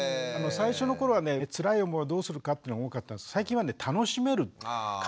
最初の頃はねつらい思いをどうするかっていうのが多かったんですが最近はね楽しめるっていう。